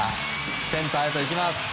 センターへといきます。